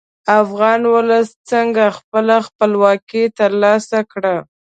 افغان ولس څنګه خپله خپلواکي تر لاسه کړه.